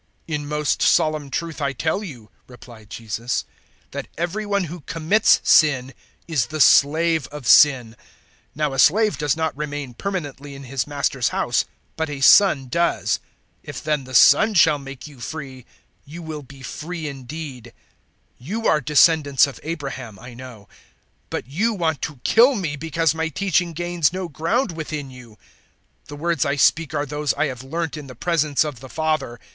008:034 "In most solemn truth I tell you," replied Jesus, "that every one who commits sin is the slave of sin. 008:035 Now a slave does not remain permanently in his master's house, but a son does. 008:036 If then the Son shall make you free, you will be free indeed. 008:037 You are descendants of Abraham, I know; but you want to kill me, because my teaching gains no ground within you. 008:038 The words I speak are those I have learnt in the presence of the Father.